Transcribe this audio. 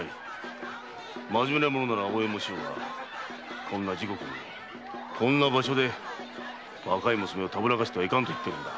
まじめな者なら応援もしようがこんな時刻にこんな場所で若い娘をたぶらかしてはいかんと言っているのだ。